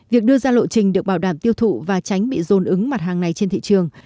việc đưa ra lộ trình được bảo đảm tiêu thụ và tránh bị dồn ứng mặt hàng này trên thị trường